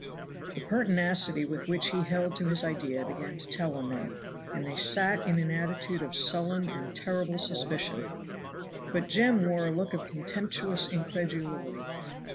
The pertinacity with which he held to his idea began to tell on them, and they sat in an attitude of sullen and terrible suspicion. But Jem wore a look of contemptuous incredulity.